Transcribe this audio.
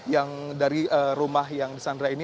yang dari rumah yang di sandera ini